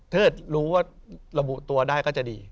ถ้ารู้ว่าระบุตัวได้ก็จะดี